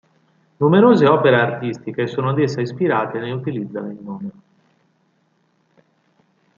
Numerose opere artistiche sono ad essa ispirate e ne utilizzano il nome.